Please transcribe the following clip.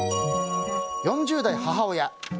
４０代母親。